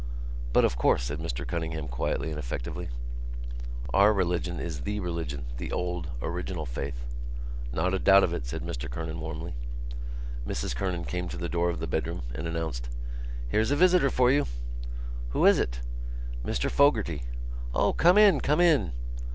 "But, of course," said Mr Cunningham quietly and effectively, "our religion is the religion, the old, original faith." "Not a doubt of it," said Mr Kernan warmly. Mrs Kernan came to the door of the bedroom and announced: "Here's a visitor for you!" "Who is it?" "Mr Fogarty." "O, come in! come in!"